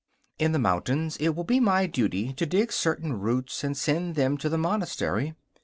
In the mountains it will be my duty to dig certain roots and send them to the monastery.